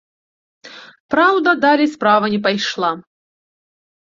Праўда, далей справа не пайшла.